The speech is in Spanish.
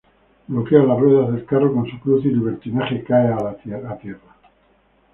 Bloquea las ruedas del carro con su cruz y Libertinaje cae a tierra.